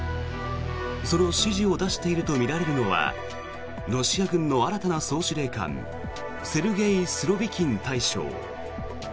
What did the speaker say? その指示を出しているとみられるのはロシア軍の新たな総司令官セルゲイ・スロビキン大将。